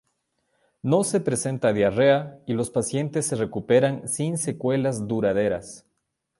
No se presenta diarrea y los pacientes se recuperan sin secuelas duraderas.